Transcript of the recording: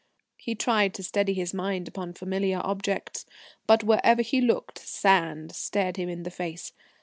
He tried to steady his mind upon familiar objects, but wherever he looked Sand stared him in the face.